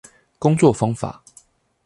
工作方法